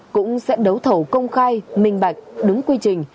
cũng sẽ đấu thầu công khai minh bạch đúng quy trình